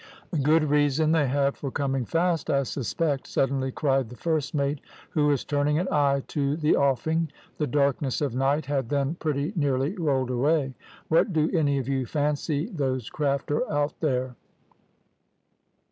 "`Good reason they have for coming fast, I suspect,' suddenly cried the first mate, who was turning an eye to the offing. The darkness of night had then pretty nearly rolled away. `What do any of you fancy those craft are out there?'